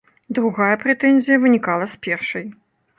Другая прэтэнзія вынікала з першай.